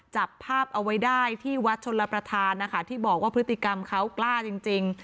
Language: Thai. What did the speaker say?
จับภาพเอาไว้ได้ที่วัดชนรับประทานนะคะที่บอกว่าพฤติกรรมเขากล้าจริง